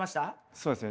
そうですね。